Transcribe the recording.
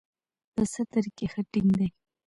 په ستر کښې ښه ټينګ دي.